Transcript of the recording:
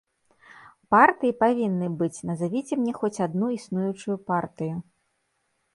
Партыі павінны быць, назавіце мне хоць адну існуючую партыю.